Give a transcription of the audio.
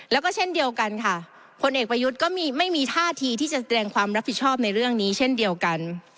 แล้วก็เช่นเดียวกันค่ะพลเอกประยุทธ์ก็ไม่มีท่าทีที่จะแสดงความรับผิดชอบในเรื่องนี้เช่นเดียวกัน